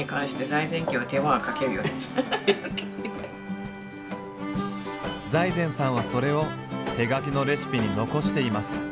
財前さんはそれを手書きのレシピに残しています。